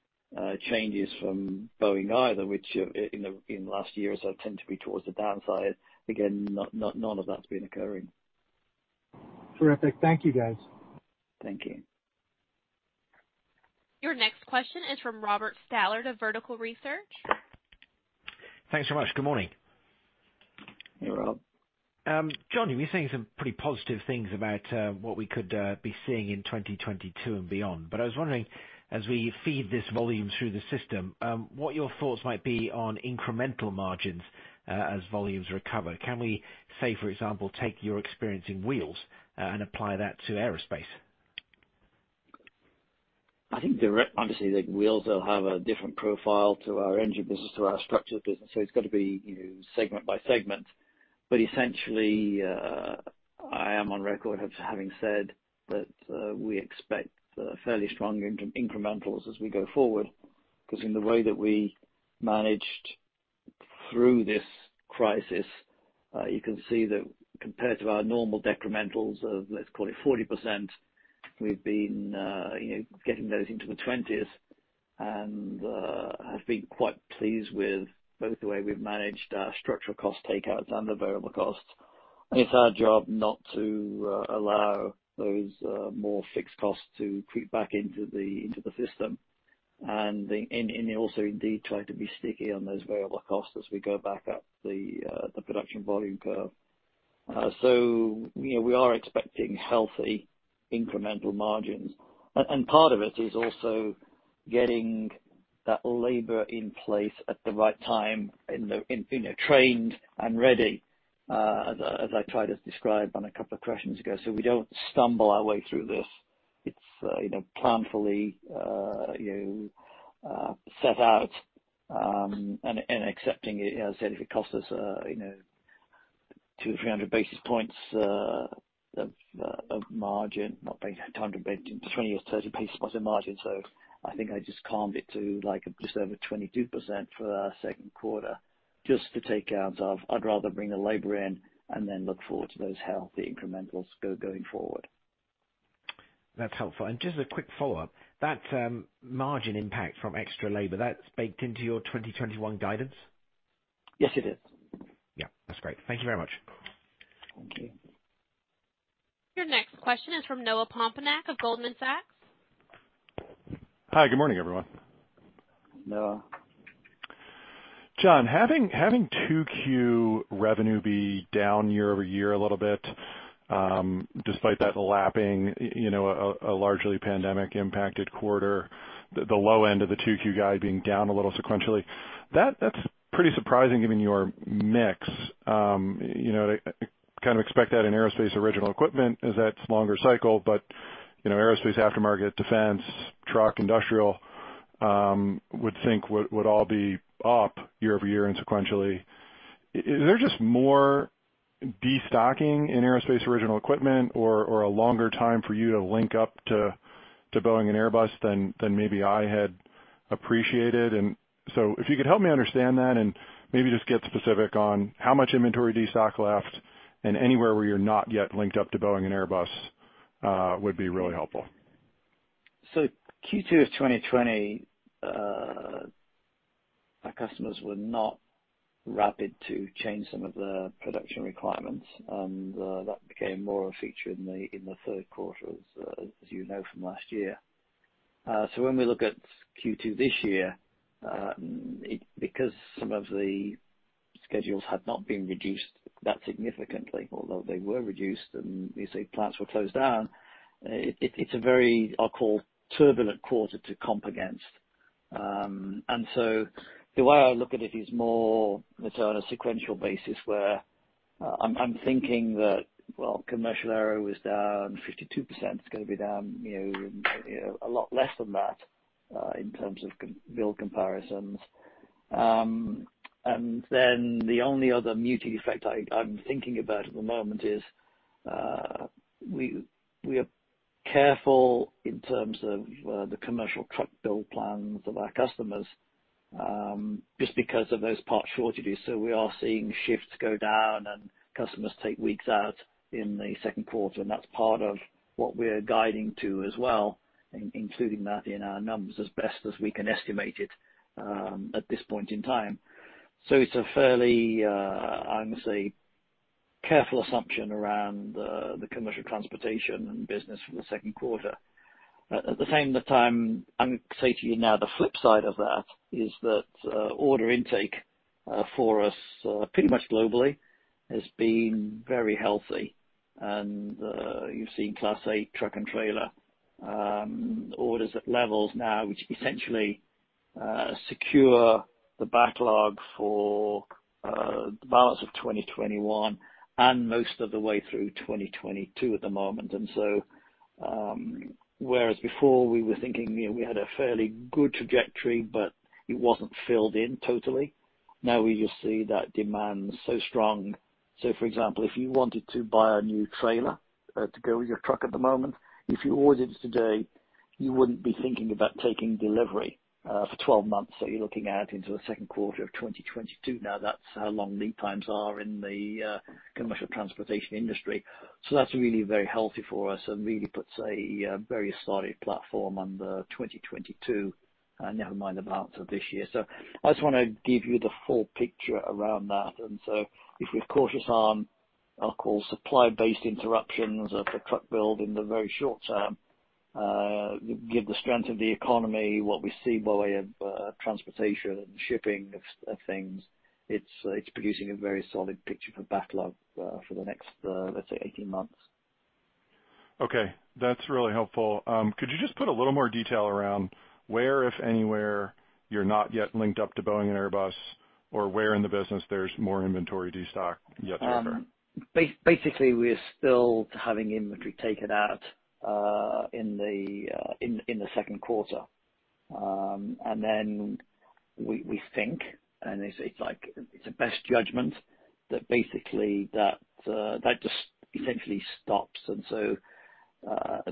changes from Boeing either, which in the last year or so tend to be towards the downside. Again, none of that's been occurring. Terrific. Thank you, guys. Thank you. Your next question is from Robert Stallard of Vertical Research. Thanks so much. Good morning. Hey, Robert. John, you've been saying some pretty positive things about what we could be seeing in 2022 and beyond, but I was wondering, as we feed this volume through the system, what your thoughts might be on incremental margins, as volumes recover. Can we, say, for example, take your experience in wheels, and apply that to aerospace? Obviously, the Forged Wheels will have a different profile to our Engine Products, to our Engineered Structures, so it's got to be segment by segment. Essentially, I am on record as having said that we expect fairly strong incrementals as we go forward, because in the way that we managed through this crisis, you can see that compared to our normal decrementals of, let's call it 40%, we've been getting those into the 20s and have been quite pleased with both the way we've managed our structural cost takeouts and the variable costs. It's our job not to allow those more fixed costs to creep back into the system. Also indeed try to be sticky on those variable costs as we go back up the production volume curve. We are expecting healthy incremental margins. Part of it is also getting that labor in place at the right time and trained and ready, as I tried to describe on a couple of questions ago, so we don't stumble our way through this. It's planfully set out, accepting it, as I said, if it costs us two or 300 basis points of margin, not basis, 20 or 30 basis points of margin. I think I just calmed it to like just over 22% for our second quarter just to take out of, I'd rather bring the labor in and then look forward to those healthy incrementals going forward. That's helpful. Just a quick follow-up. That margin impact from extra labor, that's baked into your 2021 guidance? Yes, it is. Yeah. That's great. Thank you very much. Thank you. Your next question is from Noah Poponak of Goldman Sachs. Hi, good morning, everyone. Noah. John, having 2Q revenue be down year-over-year a little bit, despite that lapping a largely pandemic impacted quarter, the low end of the 2Q guide being down a little sequentially. That's pretty surprising given your mix. I kind of expect that in aerospace original equipment, as that's longer cycle, but aerospace aftermarket, defense, truck, industrial would think would all be up year-over-year and sequentially. Is there just more destocking in aerospace original equipment or a longer time for you to link up to Boeing and Airbus than maybe I had appreciated? If you could help me understand that and maybe just get specific on how much inventory destock left and anywhere where you're not yet linked up to Boeing and Airbus would be really helpful? Q2 2020, our customers were not rapid to change some of the production requirements, and that became more of a feature in the third quarter, as you know from last year. When we look at Q2 this year, because some of the schedules had not been reduced that significantly, although they were reduced and you see plants were closed down, it's a very, I'll call, turbulent quarter to comp against. The way I look at it is more, let's say, on a sequential basis where I'm thinking that, well, commercial aero was down 52%, it's going to be down a lot less than that in terms of build comparisons. The only other muting effect I'm thinking about at the moment is we are careful in terms of the commercial truck build plans of our customers, just because of those parts shortages. We are seeing shifts go down and customers take weeks out in the second quarter, and that's part of what we're guiding to as well, including that in our numbers as best as we can estimate it at this point in time. At the same time, I'm going to say to you now the flip side of that is that order intake for us, pretty much globally, has been very healthy. You've seen Class eight truck and trailer orders at levels now which essentially secure the backlog for the balance of 2021 and most of the way through 2022 at the moment. Whereas before we were thinking we had a fairly good trajectory, but it wasn't filled in totally, now we just see that demand so strong. For example, if you wanted to buy a new trailer to go with your truck at the moment, if you ordered it today, you wouldn't be thinking about taking delivery for 12 months. You're looking out into the second quarter of 2022 now. That's how long lead times are in the commercial transportation industry. That's really very healthy for us and really puts a very solid platform under 2022, never mind the balance of this year. I just want to give you the full picture around that. If we're cautious on, I'll call, supply-based interruptions of the truck build in the very short term, given the strength of the economy, what we see by way of transportation and shipping of things, it's producing a very solid picture for backlog for the next, let's say, 18 months. That's really helpful. Could you just put a little more detail around where, if anywhere, you're not yet linked up to Boeing and Airbus, or where in the business there's more inventory destock yet to occur? Basically, we are still having inventory taken out in the second quarter. We think, and it's a best judgment, that basically that just essentially stops at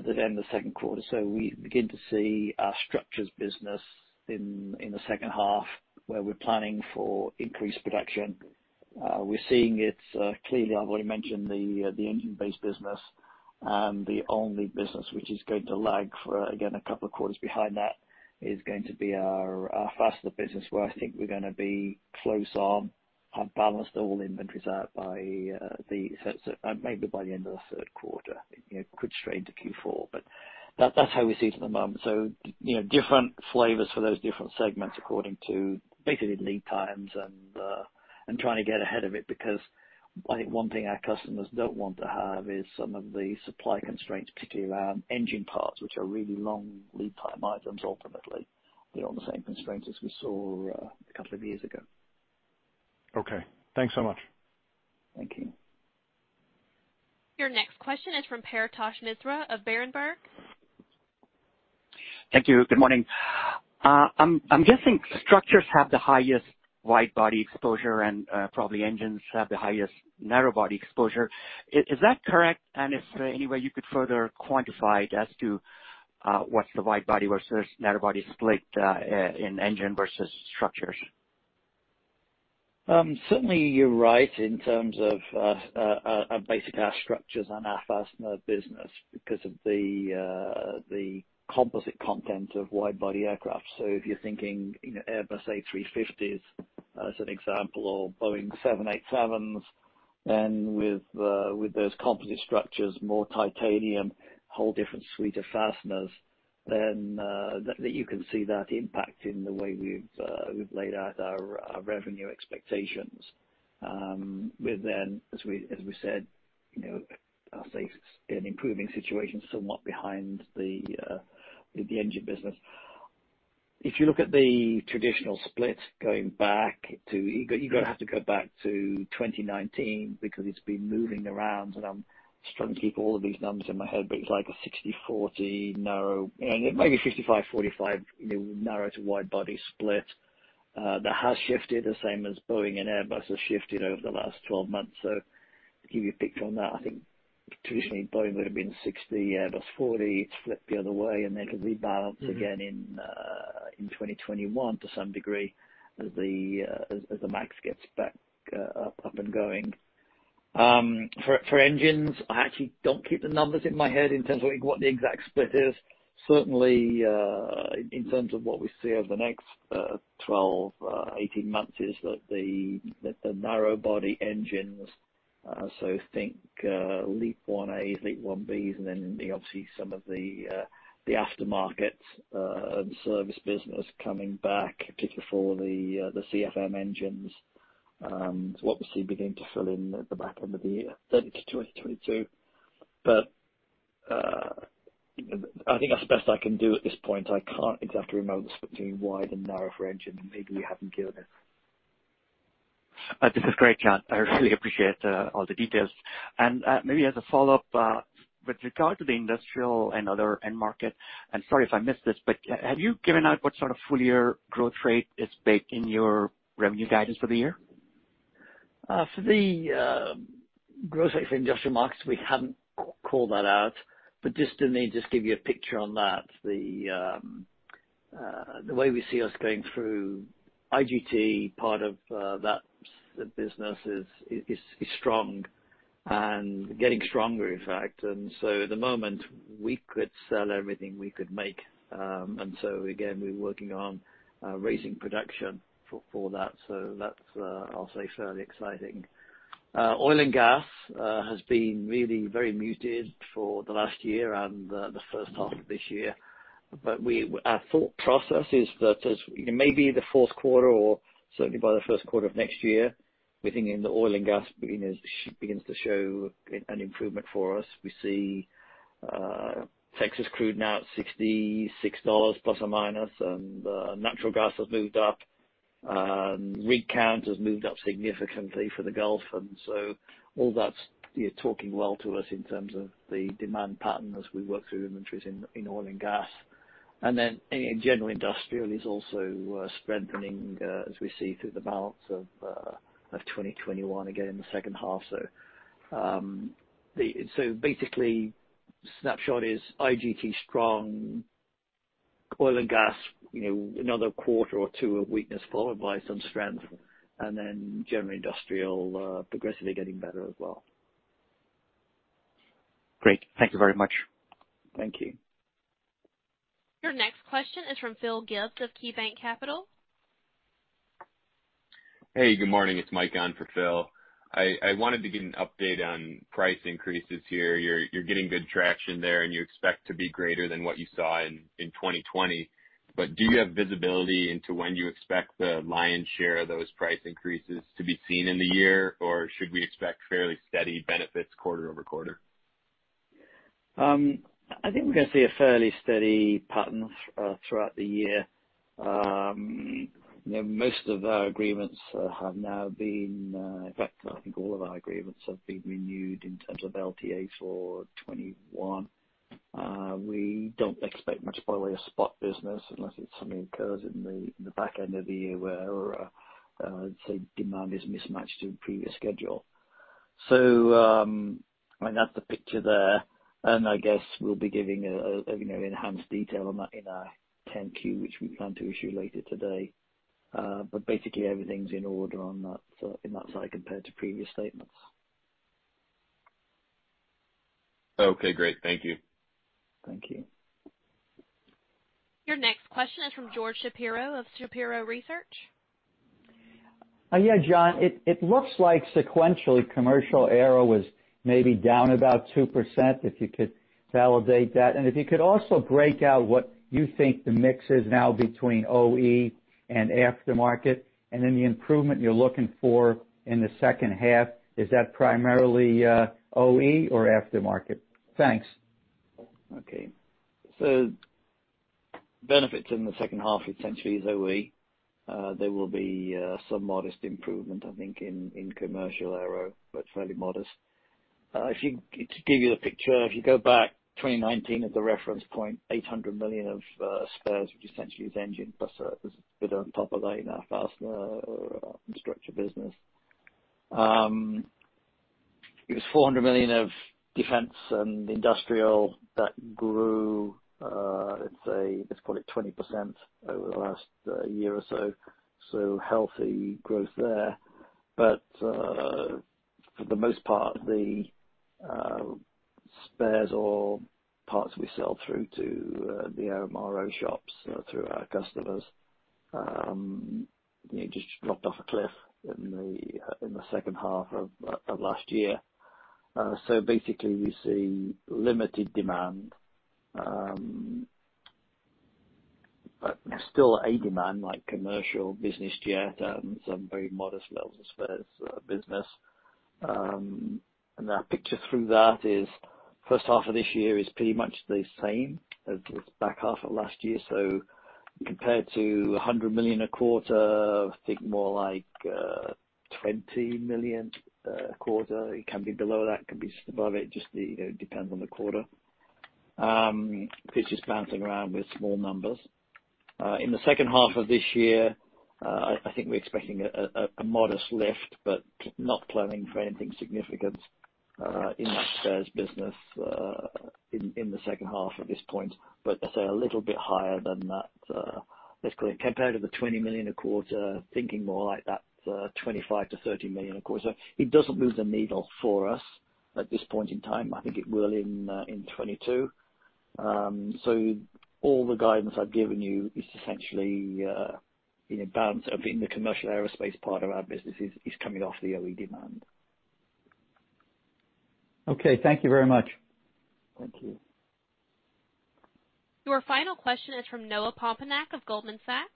the end of the second quarter. We begin to see our structures business in the second half where we're planning for increased production. We're seeing it clearly. I've already mentioned the engine-based business. The only business which is going to lag for, again, a couple of quarters behind that is going to be our fastener business, where I think we're going to be close on, have balanced all inventories out maybe by the end of the third quarter. It could stray into Q4, but that's how we see it at the moment. Different flavors for those different segments according to basically lead times and trying to get ahead of it, because I think one thing our customers don't want to have is some of the supply constraints, particularly around engine parts, which are really long lead time items, ultimately. They're on the same constraints as we saw a couple of years ago. Okay. Thanks so much. Thank you. Your next question is from Paretosh Misra of Berenberg. Thank you. Good morning. I'm guessing structures have the highest wide body exposure and probably engines have the highest narrow body exposure. Is that correct? If there any way you could further quantify it as to what's the wide body versus narrow body split in engine versus structures? You're right in terms of basically our structures and our Fastening Systems business because of the composite content of wide-body aircraft. If you're thinking Airbus A350 as an example, or Boeing 787s, and with those composite structures, more titanium, whole different suite of fasteners, you can see that impact in the way we've laid out our revenue expectations. We're, as we said, I'll say it's an improving situation, still not behind the engine business. If you look at the traditional split, you're going to have to go back to 2019 because it's been moving around, and I'm struggling to keep all of these numbers in my head, but it's like a 60/40 narrow. Maybe 55/45 narrow to wide-body split. That has shifted the same as Boeing and Airbus has shifted over the last 12 months. Give you a picture on that. I think traditionally Boeing would have been 60, Airbus 40. It's flipped the other way, then it'll rebalance again in 2021 to some degree as the MAX gets back up and going. For engines, I actually don't keep the numbers in my head in terms of what the exact split is. Certainly, in terms of what we see over the next 12, 18 months is that the narrow body engines, so think LEAP-1A, LEAP-1Bs, then obviously some of the aftermarket service business coming back, particularly for the CFM engines, will obviously begin to fill in at the back end of the year into 2022. I think that's the best I can do at this point. I can't exactly remember the split between wide and narrow for engine. Maybe we haven't given it. This is great, John. I really appreciate all the details. Maybe as a follow-up, with regard to the industrial and other end market, and sorry if I missed this, but have you given out what sort of full-year growth rate is baked in your revenue guidance for the year? For the growth rate for industrial markets, we haven't called that out. Just to maybe just give you a picture on that, the way we see us going through IGT, part of that business is strong and getting stronger, in fact. At the moment, we could sell everything we could make. Again, we're working on raising production for that. That's, I'll say, fairly exciting. Oil and gas has been really very muted for the last year and the first half of this year. Our thought process is that as maybe the fourth quarter or certainly by the first quarter of next year, we think the oil and gas begins to show an improvement for us. We see Texas crude now at $66 plus or minus, and natural gas has moved up. Rig count has moved up significantly for the Gulf. All that's talking well to us in terms of the demand pattern as we work through inventories in oil and gas. General industrial is also strengthening as we see through the balance of 2021 again in the second half. Basically, snapshot is IGT strong, oil and gas, another quarter or two of weakness followed by some strength. General industrial progressively getting better as well. Great. Thank you very much. Thank you. Your next question is from Philip Gibbs of KeyBanc Capital Markets. Hey, good morning. It's Mike on for Phil. I wanted to get an update on price increases here. You're getting good traction there, and you expect to be greater than what you saw in 2020. Do you have visibility into when you expect the lion's share of those price increases to be seen in the year? Should we expect fairly steady benefits quarter-over-quarter? I think we're going to see a fairly steady pattern throughout the year. Most of our agreements have now been, in fact, I think all of our agreements have been renewed in terms of LTA for 2021. We don't expect much by way of spot business unless something occurs in the back end of the year where, say, demand is mismatched to previous schedule. That's the picture there. I guess we'll be giving enhanced detail on that in our 10-Q, which we plan to issue later today. Basically everything's in order on that side compared to previous statements. Okay, great. Thank you. Thank you. Your next question is from George Shapiro of Shapiro Research. Yeah, John, it looks like sequentially commercial aero was maybe down about 2%, if you could validate that. If you could also break out what you think the mix is now between OE and aftermarket, and then the improvement you're looking for in the second half, is that primarily OE or aftermarket? Thanks. Okay. Benefits in the second half essentially is OE. There will be some modest improvement, I think, in commercial aero, but fairly modest. To give you the picture, if you go back 2019 as a reference point, $800 million of spares, which essentially is engine plus a bit on top of that in our fastener or structure business. It was $400 million of defense and industrial that grew, let's call it 20% over the last year or so. Healthy growth there. For the most part, the spares or parts we sell through to the MRO shops through our customers just dropped off a cliff in the second half of last year. Basically, we see limited demand. There's still a demand like commercial business jet and some very modest levels of spares business. Our picture through that is first half of this year is pretty much the same as the back half of last year. Compared to $100 million a quarter, think more like $20 million a quarter. It can be below that, it can be just above it, just depends on the quarter. This is bouncing around with small numbers. In the second half of this year, I think we're expecting a modest lift, but not planning for anything significant in that spares business in the second half at this point. As I say, a little bit higher than that, let's call it compared to the $20 million a quarter, thinking more like that $25 million-$30 million a quarter. It doesn't move the needle for us at this point in time. I think it will in 2022. All the guidance I've given you is essentially a balance of the commercial aerospace part of our business is coming off the OE demand. Okay. Thank you very much. Thank you. Your final question is from Noah Poponak of Goldman Sachs.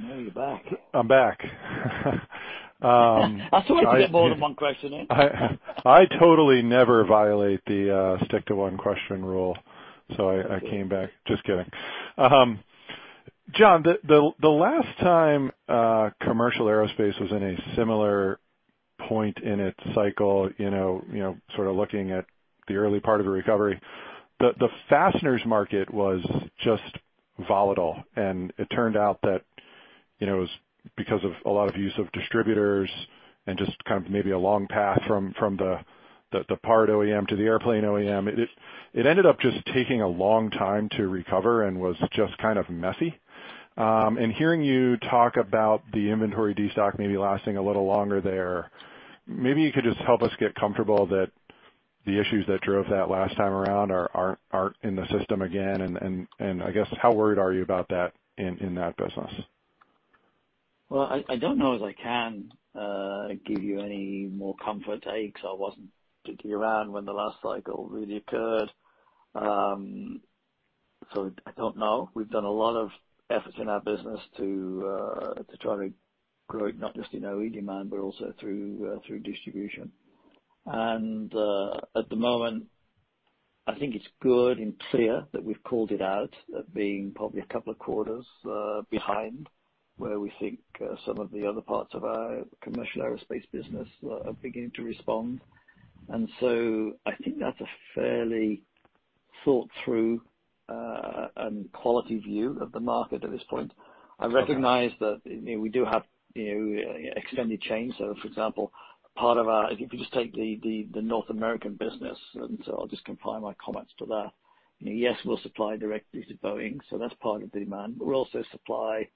Noah, you're back. I'm back. I was waiting to get more than one question in. I totally never violate the stick to one question rule. I came back. Just kidding. John, the last time commercial aerospace was in a similar point in its cycle, sort of looking at the early part of the recovery, the Fasteners market was just volatile. It turned out that it was because of a lot of use of distributors and just kind of maybe a long path from the part OEM to the airplane OEM. It ended up just taking a long time to recover and was just kind of messy. Hearing you talk about the inventory de-stock maybe lasting a little longer there, maybe you could just help us get comfortable that the issues that drove that last time around aren't in the system again. I guess, how worried are you about that in that business? I don't know if I can give you any more comfort, I guess. I wasn't particularly around when the last cycle really occurred. I don't know. We've done a lot of efforts in our business to try to grow it, not just in OE demand, but also through distribution. At the moment, I think it's good and clear that we've called it out at being probably a couple of quarters behind where we think some of the other parts of our commercial aerospace business are beginning to respond. I think that's a fairly thought through and quality view of the market at this point. I recognize that we do have extended chain. For example, if you just take the North American business, I'll just confine my comments to that. Yes, we'll supply directly to Boeing, that's part of the demand. We'll also supply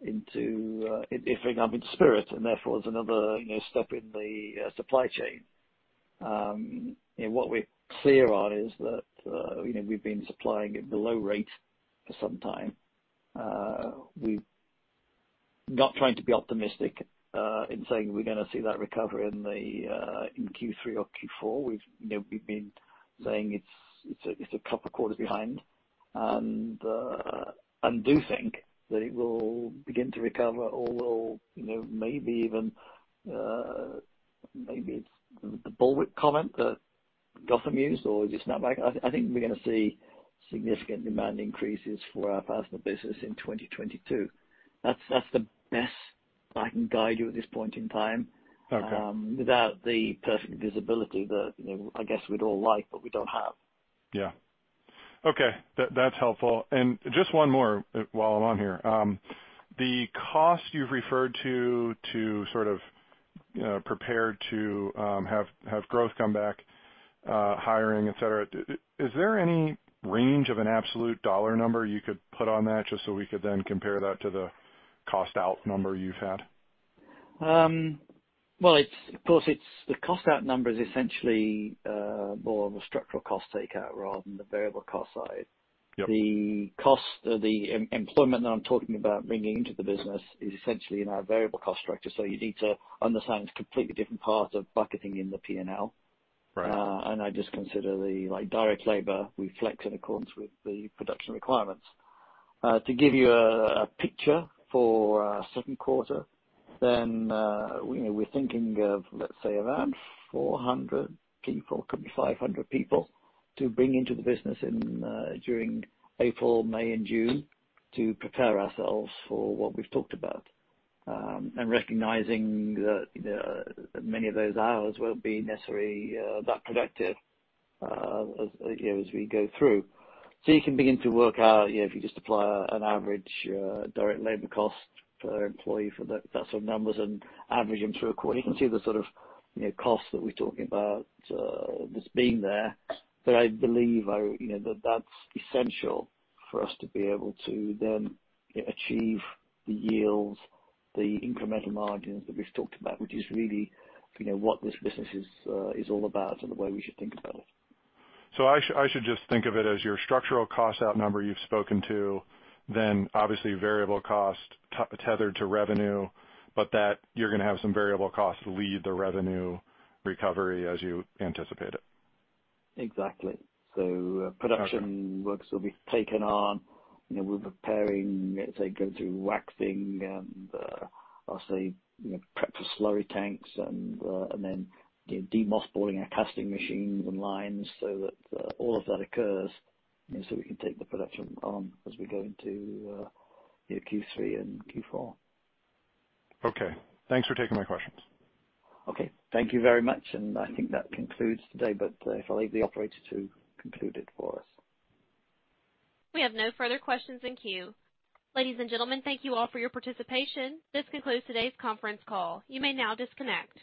into, if we come into Spirit, and therefore there's another step in the supply chain. What we're clear on is that we've been supplying at below rate for some time. We're not trying to be optimistic in saying we're going to see that recovery in Q3 or Q4. We've been saying it's a couple quarters behind. I do think that it will begin to recover, although maybe it's the bullwhip comment that Gautam used, or just snap back. I think we're going to see significant demand increases for our fastener business in 2022. That's the best I can guide you at this point in time. Okay without the perfect visibility that I guess we'd all like, but we don't have. Yeah. Okay. That's helpful. Just one more while I'm on here. The cost you've referred to sort of prepare to have growth come back, hiring, et cetera, is there any range of an absolute dollar number you could put on that just so we could then compare that to the cost out number you've had? Well, of course, the cost out number is essentially more of a structural cost takeout rather than the variable cost side. Yep. The employment that I'm talking about bringing into the business is essentially in our variable cost structure. You need to understand it's a completely different part of bucketing in the P&L. Right. I just consider the direct labor we flex in accordance with the production requirements. To give you a picture for second quarter, we're thinking of, let's say around 400 people, could be 500 people to bring into the business during April, May and June to prepare ourselves for what we've talked about. Recognizing that many of those hours won't be necessarily that productive as we go through. You can begin to work out, if you just apply an average direct labor cost per employee for that sort of numbers and average them through a quarter, you can see the sort of costs that we're talking about, this being there. I believe that's essential for us to be able to then achieve the yields, the incremental margins that we've talked about, which is really what this business is all about and the way we should think about it. I should just think of it as your structural cost out number you've spoken to, then obviously variable cost tethered to revenue, but that you're going to have some variable costs lead the revenue recovery as you anticipate it. Exactly. Okay Works will be taken on. We're preparing, as I go through waxing and I'll say prep for slurry tanks and then de-mothballing our casting machines and lines so that all of that occurs, so we can take the production on as we go into Q3 and Q4. Okay. Thanks for taking my questions. Okay. Thank you very much. I think that concludes today, but if I leave the operator to conclude it for us. We have no further questions in queue. Ladies and gentlemen, thank you all for your participation. This concludes today's conference call. You may now disconnect.